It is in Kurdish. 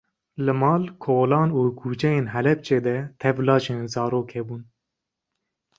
Li mal, kolan û di kuçeyên Helepçê de tev laşên zarok hebûn.